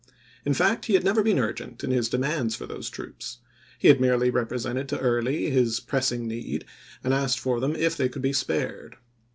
In fact he had never been urgent in his demands for those troops ; he had merely represented to Early his pressing need and asked for them if they could be spared.